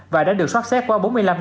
và đã được soát xét qua bốn mươi năm tháng